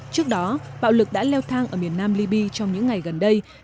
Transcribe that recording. trước đó bạo lực đã leo thang ở miền nam libya trong những ngày gần đây